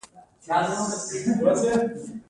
دوی ټول یو ځای راټول شوي دي.